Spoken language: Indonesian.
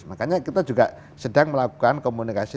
makanya kita juga sedang melakukan komunikasi